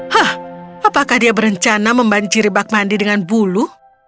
hah apakah dia berencana membanjiri bak mandi dengan bulu